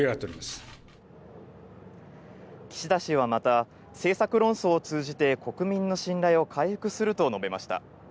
岸田氏はまた、政策論争を通じて国民の信頼を回復すると述べました。